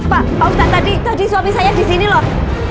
pak ustad tadi suami saya disini loh